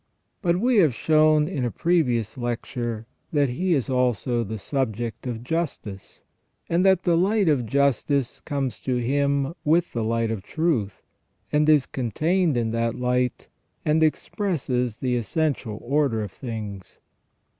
But we have shown in a previous lecture that he is also the subject of justice, and 25 386 FROM THE BEGINNING TO THE END OF MAN. that the light of justice comes to him with the light of truth, and is contained in that light, and expresses the essential order of things.